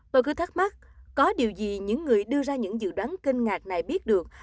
tôi cứ thắc mắc có điều gì những người đưa ra những dự đoán kinh ngạc này biết được